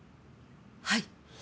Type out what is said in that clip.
はい。